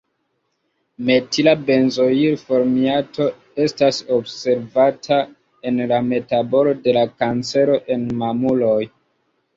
Metila benzoilformiato estas observata en la metabolo de la kancero en mamuloj.